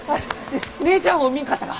姉ちゃんを見んかったか？